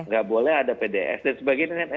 gak boleh ada pds dan sebagainya